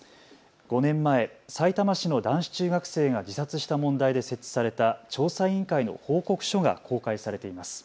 ５年前、さいたま市の男子中学生が自殺した問題で設置された調査委員会の報告書が公開されています。